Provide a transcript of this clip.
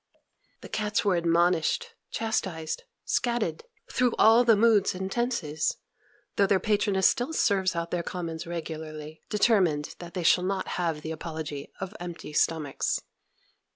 The cats were admonished, chastised, "scat" ed, through all the moods and tenses; though their patroness still serves out their commons regularly, determined that they shall not have the apology of empty stomachs.